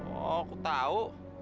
oh aku tahu